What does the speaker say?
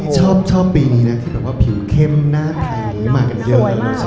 ชอบปีนี้นะที่ผิวเข้มหน้าไทยมากเยอะ